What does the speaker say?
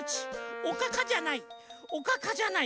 おかかじゃない。